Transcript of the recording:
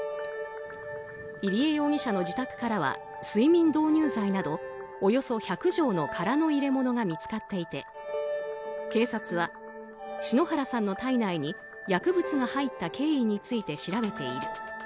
入江容疑者の自宅から睡眠導入剤などおよそ１００錠の空の入れ物が見つかっていて警察は篠原さんの体内に薬物が入った経緯について調べている。